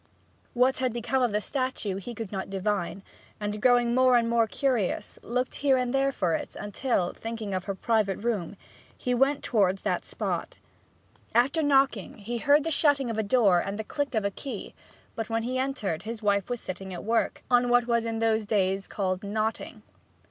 What had become of the statue he could not divine, and growing more and more curious, looked about here and there for it till, thinking of her private room, he went towards that spot. After knocking he heard the shutting of a door, and the click of a key; but when he entered his wife was sitting at work, on what was in those days called knotting.